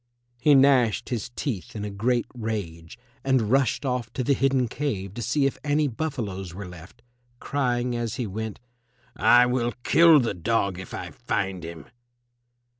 He gnashed his teeth in a great rage, and rushed off to the hidden cave to see if any buffaloes were left, crying as he went, "I will kill the dog if I find him."